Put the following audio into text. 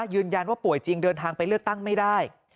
ยืนยันว่าป่วยจริงเดินทางไปเลือกตั้งไม่ได้